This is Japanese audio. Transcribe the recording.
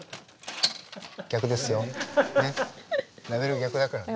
ラベル逆だからね。